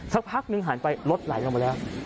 สักพักนึงหันไปรถไหลลงมาแล้ว